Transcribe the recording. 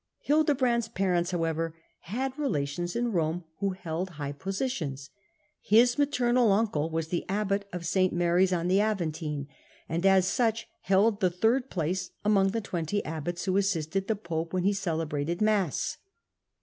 Hildebrand's parents, however, had relations in Borne who held high positions. His maternal uncle was the abbot of St. Mary's on the Aventine, and as such held the third place among the twenty abbots who assisted the pope when he celebrated mass.